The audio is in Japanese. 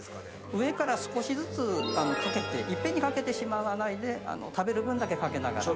上から少しずつ掛けていっぺんに掛けてしまわないで食べる分だけ掛けながら。